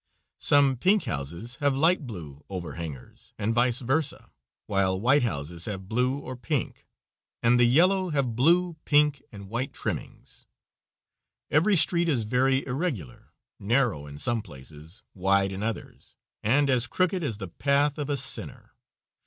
Some pink houses have light blue overhangers and vice versa, while white houses have blue or pink, and the yellow have blue, pink, and white trimmings. Every street is very irregular, narrow in some places, wide in others, and as crooked as the path of a sinner.